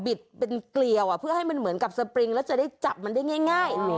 เป็นเกลียวเพื่อให้มันเหมือนกับสปริงแล้วจะได้จับมันได้ง่าย